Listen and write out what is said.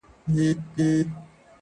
هر اندام یې وو له وېري لړزېدلی٫